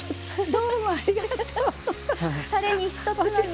どうもありがとう。